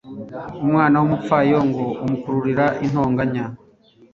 umunwa w'umupfayongo umukururira intonganya